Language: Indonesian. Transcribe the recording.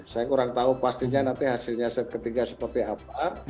saya kurang tahu pastinya nanti hasilnya set ke tiga seperti apa